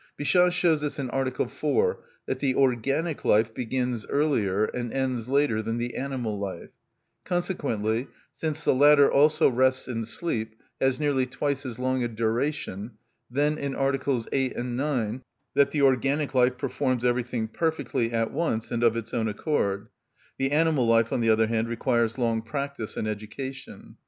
Bichat shows us, in article 4, that the organic life begins earlier and ends later than the animal life; consequently, since the latter also rests in sleep, has nearly twice as long a duration; then, in articles 8 and 9, that the organic life performs everything perfectly, at once, and of its own accord; the animal life, on the other hand, requires long practice and education.